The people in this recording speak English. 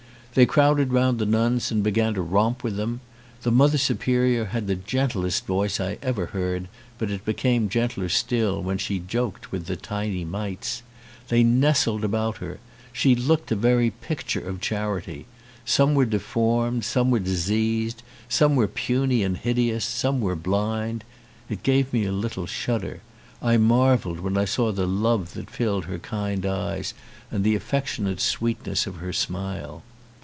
They crowded round the nuns and began to romp with them. The Mother Superior had the gen tlest voice I ever heard, but it became gentler still when she joked with the tiny mites. They nestled about her. She looked a very picture of charity. Some were deformed and some were diseased, some were puny and hideous, some were blind; it gave me a little shudder: I marvelled when I saw the love that filled her kind eyes and the affectionate sweetness of her smile.